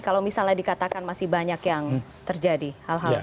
kalau misalnya dikatakan masih banyak yang terjadi hal hal